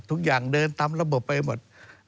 ทุกอย่างเดินตามระบบไปหมด